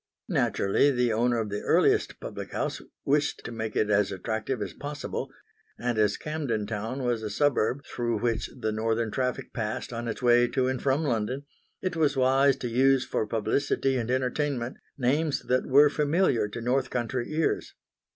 Naturally the owner of the earliest public house wished to make it as attractive as possible; and as Camden Town was a suburb through which the northern traffic passed on its way to and from London, it was wise to use for publicity and entertainment names that were familiar to north country ears.